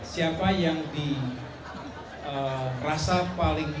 siapa yang diperasa paling tepat